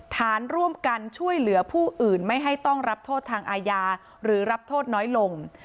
ฐานร่วมกันช่วยเหลือผู้อื่นไม่ให้ต้องรับโทษทางอาญาหรือรับโทษน้อยลง